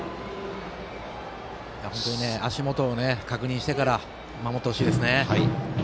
本当に足元を確認してから守ってほしいですね。